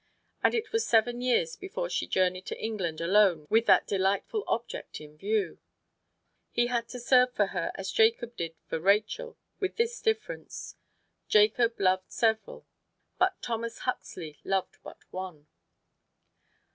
And it was seven years before she journeyed to England alone with that delightful object in view. He had to serve for her as Jacob did for Rachel, with this difference: Jacob loved several, but Thomas Huxley loved but one.